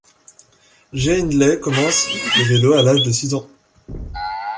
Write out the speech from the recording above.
Jai Hindley commence le vélo à l'âge de six ans.